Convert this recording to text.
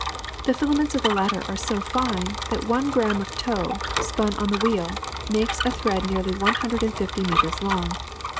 The filaments of the latter are so fine, that one gramme of tow, spun on the wheel, makes a thread nearly one hundred and fifty meters long.